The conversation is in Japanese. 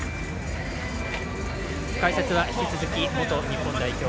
解説は引き続き元日本代表